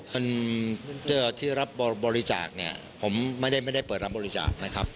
เป็นเจ้าที่รับบริจาคผมไม่ได้เปิดรับบริจาคนะครับ